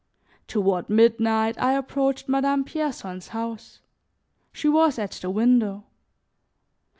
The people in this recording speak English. Toward midnight I approached Madame Pierson's house; she was at the window.